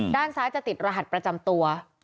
ด้านซ้ายจะติดรหัสประจำตัว